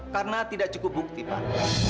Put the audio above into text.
karena tidak cukup bukti pak